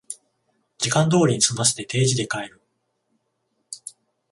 時間通りに済ませて定時で帰る